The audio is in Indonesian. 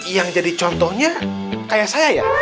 yang jadi contohnya kayak saya ya